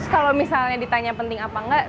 kalau misalnya ditanya penting apa enggak